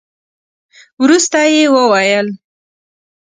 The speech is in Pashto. وروسته يې وويل.